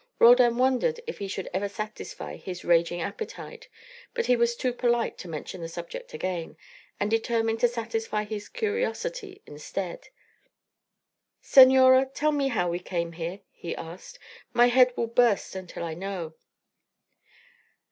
Roldan wondered if he should ever satisfy his raging appetite, but was too polite to mention the subject again, and determined to satisfy his curiosity instead. "Senora, tell me how we came here," he asked. "My head will burst until I know."